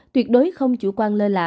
tuyệt đối không chủ quan lơ lạ